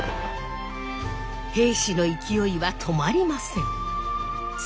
平氏の勢いは止まりません。